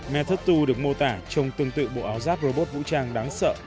method hai được mô tả trong tương tự bộ áo giáp robot vũ trang đáng sợ